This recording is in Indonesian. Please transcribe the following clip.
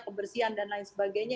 kebersihan dan lain sebagainya